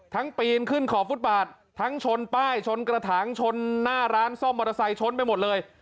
ปีนขึ้นขอบฟุตบาททั้งชนป้ายชนกระถางชนหน้าร้านซ่อมมอเตอร์ไซค์ชนไปหมดเลย